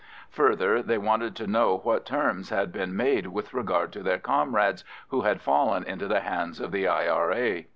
Further, they wanted to know what terms had been made with regard to their comrades who had fallen into the hands of the I.R.A.